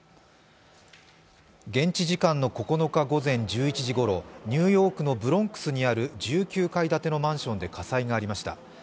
現地時間の９日午前１１時ごろニューヨークのブロンクスにある１９階建てのマンションで火災がありました。